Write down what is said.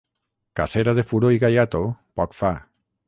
Cacera de furó i gaiato poc fa.